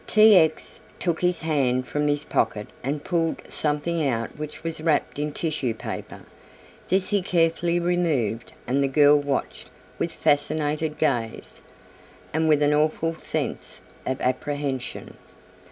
T. X. took his hand from his pocket and pulled something out which was wrapped in tissue paper. This he carefully removed and the girl watched with fascinated gaze, and with an awful sense of apprehension.